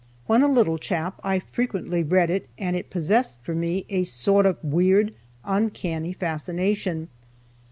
When a little chap I frequently read it and it possessed for me a sort of weird, uncanny fascination.